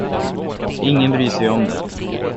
Ingen bryr sig om det.